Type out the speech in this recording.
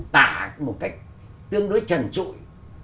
tả một cách tương đối trần trụi